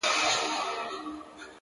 o چي پکښي و لټوو لار د سپین سبا په لوري,